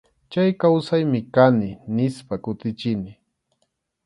Chay kawsaymi kani, nispa kutichini.